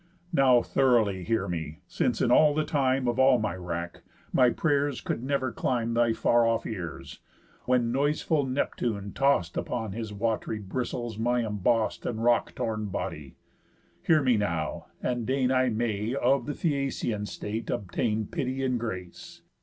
Now throughly hear me, since, in all the time Of all my wrack, my pray'rs could never climb Thy far off ears; when noiseful Neptune toss'd Upon his wat'ry bristles my emboss'd And rock torn body. Hear yet now, and deign I may of the Phæacian state obtain Pity, and grace."